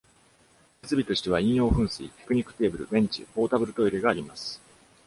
設備としては飲用噴水、ピクニックテーブル、ベンチ、ポータブルトイレがあります。